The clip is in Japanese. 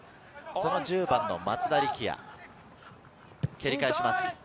１０番・松田力也、蹴り返します。